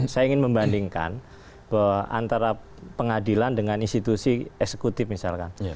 saya ingin membandingkan bahwa antara pengadilan dengan institusi eksekutif misalkan